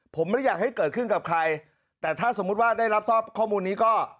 ผมไม่ได้อยากให้เกิดขึ้นกับใครแต่ถ้าสมมุติว่าได้รับทราบข้อมูลนี้ก็